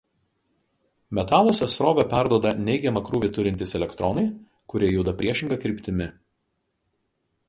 Metaluose srovę perduoda neigiamą krūvį turintys elektronai kurie juda priešinga kryptimi.